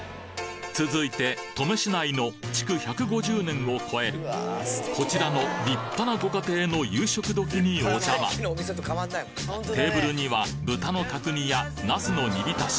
続いて登米市内の築１５０年を超えるこちらの立派なご家庭のテーブルには豚の角煮やナスの煮浸し